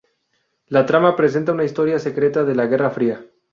La trama presenta una historia secreta de la Guerra Fría.